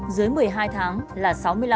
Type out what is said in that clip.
dưới một mươi hai tháng là sáu mươi năm